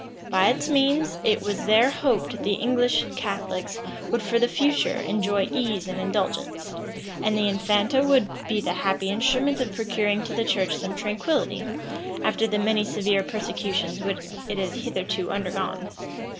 By its means, it was there hoped the English Catholics would for the future enjoy ease and indulgence; and the infanta would be the happy instrument of procuring to the church some tranquillity, after the many severe persecutions which it had hitherto undergone.